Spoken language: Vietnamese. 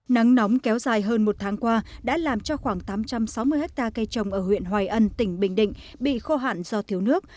nắng nóng kéo dài hơn một tháng qua đã làm cho khoảng tám trăm sáu mươi hectare cây trồng ở huyện hoài ân tỉnh bình định bị khô hạn do thiếu nước